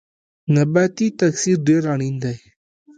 نباتي تکثیر ډیر اړین دی